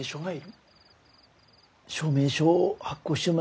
はい。